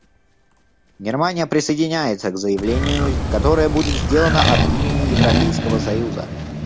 Германия присоединяется к заявлению, которое будет сделано от имени Европейского Союза.